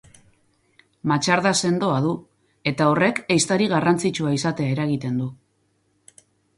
Matxarda sendoa du eta horrek ehiztari garrantzitsua izatea eragiten du.